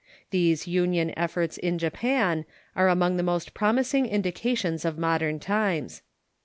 These union efforts in Japan are among the most prom ising indications of modern times.